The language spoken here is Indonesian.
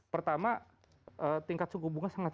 pertama tingkat suku bunga sangat